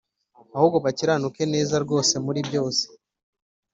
ahubwo bakiranuke neza rwose muri byose